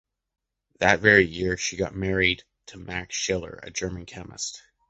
That very year, she got married to Max Schiller, a German chemist.